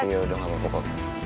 iya udah gak apa apa kok